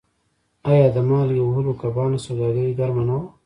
آیا د مالګې وهلو کبانو سوداګري ګرمه نه وه؟